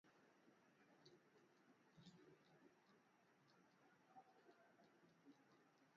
Bakteria anayesababisha ugonjwa wa mapafu anaweza kubebwa kwenye mate yanayotoka kwenye kinyesi cha mnyama